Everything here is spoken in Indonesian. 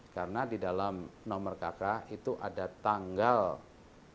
karena di dalam nomor kk itu ada tanggal saat itu